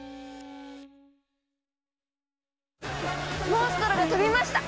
モンストロが飛びました！